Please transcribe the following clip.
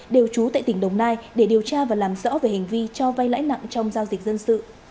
đều trú tại tỉnh đồng nai để điều tra và làm rõ về hành vi cho vay lãi nặng trong giao dịch dân sự